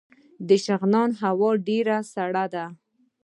د شغنان هوا ډیره سړه ده